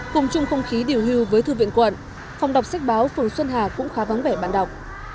cùng chung không khí điều hưu với thư viện quận phòng đọc sách báo phường xuân hà cũng khá vắng vẻ bạn đọc